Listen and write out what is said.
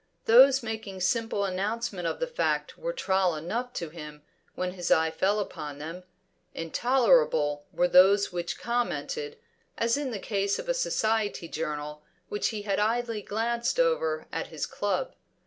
Those making simple announcement of the fact were trial enough to him when his eye fell upon them; intolerable were those which commented, as in the case of a society journal which he had idly glanced over at his club.